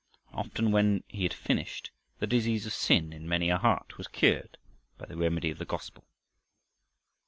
And often, when he had finished, the disease of sin in many a heart was cured by the remedy of the gospel.